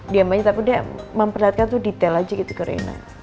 diam aja tapi dia memperhatikan tuh detail aja gitu ke reina